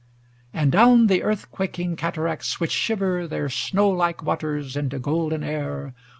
XLII And down the earthquaking cataracts, which shiver Their snow like waters into golden air.